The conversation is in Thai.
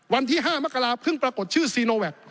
วันที่๕มกราเพิ่งปรากฏชื่อซีโนแวค